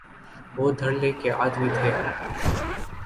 وہ دھڑلے کے آدمی تھے۔